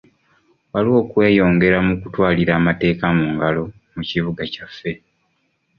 Waliwo okweyongera mu kutwalira amateeka mu ngalo mu kibuga kyaffe.